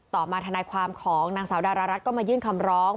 ต่อมาธนายความของนางสาวดารารัฐก็มายื่นคำร้อง